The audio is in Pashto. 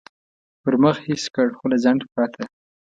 پر مخ حس کړ، خو له ځنډه پرته.